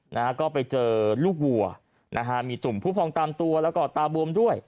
นะฮะก็ไปเจอลูกวัวนะฮะมีตุ่มผู้พองตามตัวแล้วก็ตาบวมด้วย